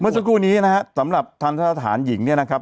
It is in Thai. เมื่อสักครู่นี้นะครับสำหรับทันทศาสตร์หญิงนี่นะครับ